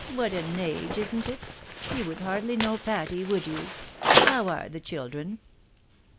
What an age, isn't it ? You would hardly know Patty, would you ? How are the children